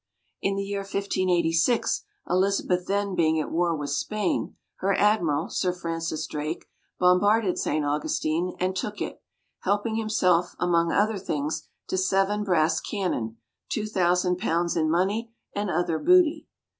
In the year 1586, Elizabeth then being at war with Spain, her admiral, Sir Francis Drake, bombarded St. Augustine, and took it; helping himself, among other things, to seven brass cannon, two thousand pounds in money, and other booty.